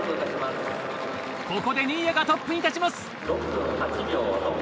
ここで新谷がトップに立ちます。